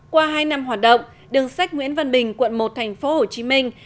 qua hai năm hoạt động đường sách nguyễn văn bình quận một thành phố hồ chí minh